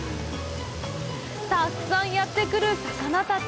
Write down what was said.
たくさんやってくる魚たち。